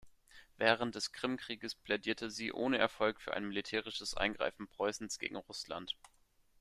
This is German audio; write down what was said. Während des Krimkrieges plädierte sie ohne Erfolg für ein militärisches Eingreifen Preußens gegen Russland.